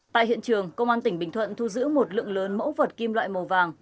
tại hiện trường công an tỉnh bình thuận thu giữ một lượng lớn mẫu vật kim loại màu vàng